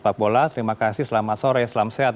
pakbola terima kasih selamat sore selam sehat